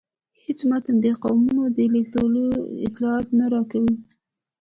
هیڅ متن د دې قومونو د لیږدیدلو اطلاع نه راکوي.